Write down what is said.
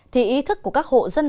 thì ý thức của các hộ dân làng